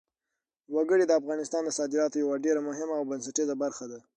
وګړي د افغانستان د صادراتو یوه ډېره مهمه او بنسټیزه برخه ده.